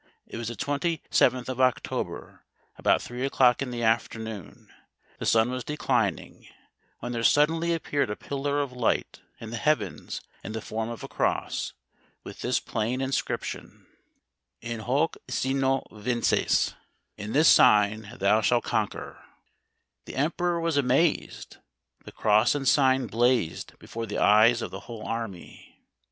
It was the twenty seventh of October, about three o'clock in the afternoon, the sun was declining, when there suddenly appeared a pillar of light in the heavens in the form of a cross, with this plain inscription : 34 THE VISION OF CONSTANTINE THE VISION OF CONSTANTINE. 37 In hoc Signo vinces. [In this sign thou shall conquer.] The emperor was amazed. The cross and sign blazed before the eyes of the whole army.